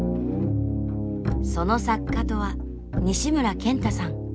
その作家とは西村賢太さん。